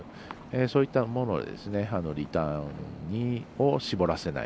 そういったものでリターンを絞らせない。